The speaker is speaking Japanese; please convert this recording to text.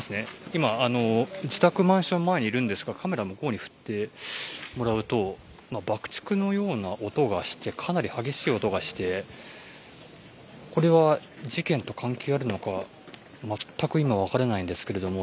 今自宅マンション前にいるんですがカメラ向こうに振ってもらうと爆竹のような音がしてかなり激しい音がしてこれは事件と関係あるのかまったく今分からないんですけれども。